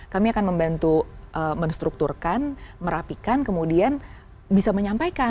kami akan membantu menstrukturkan merapikan kemudian bisa menyampaikan